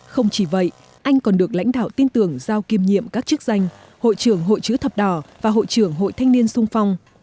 không chỉ vậy anh còn được lãnh đạo tin tưởng giao kiêm nhiệm các chức danh hội trưởng hội chữ thập đỏ và hội trưởng hội thanh niên sung phong